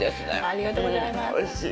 ありがとうございます。